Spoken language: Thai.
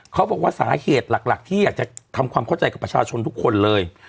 เขาบอกว่าสาเหตุหลักที่อยากจะทำความเข้าใจกับประชาชนทุกคนเลย